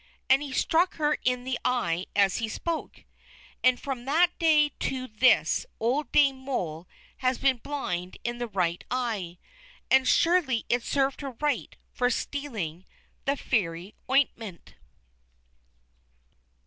And he struck her in the eye as he spoke. And from that day to this old Dame Moll has been blind in the right eye. And surely it served her right for stealing the Fairy ointment.